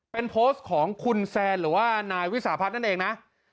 เป็นโพสต์ของคุณแซนหรือว่านายวิสาพัฒน์นั่นเองนะ